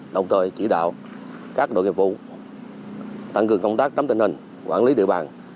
đồng thời chỉ đạo các đội nghiệp vụ tăng cường công tác nắm tình hình quản lý địa bàn